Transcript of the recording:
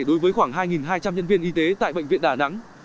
đối với khoảng hai hai trăm linh nhân viên y tế tại bệnh viện đà nẵng